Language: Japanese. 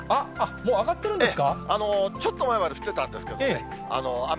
もう上がってるんですか。